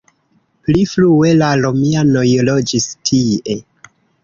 Pli frue la romianoj loĝis tie.